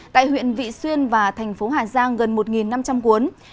tại huyện vị xuyên và thành phố hà giang gần một năm trăm linh cuốn